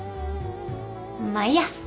まあいいや。